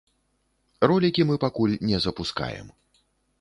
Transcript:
Ролікі мы пакуль не запускаем.